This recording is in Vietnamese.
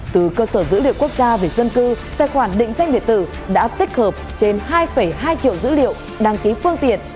từ cơ sở dữ liệu quốc gia về dân cư tài khoản định danh điện tử đã tích hợp trên hai hai triệu dữ liệu đăng ký phương tiện